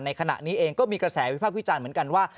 ขณะนี้เองก็มีกระแสวิภาควิจารณ์เหมือนกันว่า